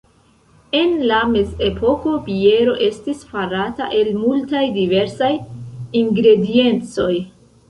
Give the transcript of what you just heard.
En la mezepoko biero estis farata el multaj diversaj ingrediencoj.